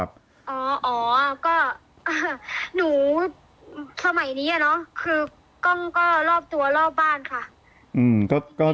อ๋ออ๋อก็หนูสมัยนี้อะเนาะคือกล้องก็รอบตัวรอบบ้านค่ะ